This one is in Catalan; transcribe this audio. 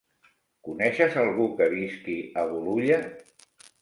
Coneixes algú que visqui a Bolulla?